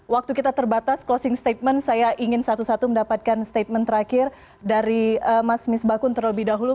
waktu kita terbatas closing statement saya ingin satu satu mendapatkan statement terakhir dari mas misbakun terlebih dahulu